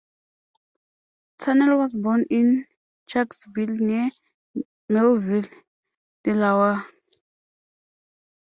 Tunnell was born in Clarksville, near Millville, Delaware.